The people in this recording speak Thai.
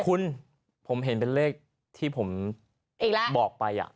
คุณผมเห็นเป็นเลขที่ผมบอกไป